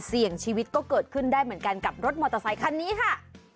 เสี่ยงชีวิตก็เกิดขึ้นได้เหมือนกันกับรถมอเตอร์ไซคันนี้ค่ะ